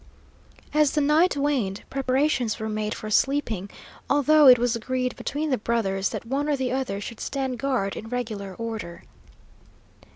As the night waned, preparations were made for sleeping, although it was agreed between the brothers that one or the other should stand guard in regular order.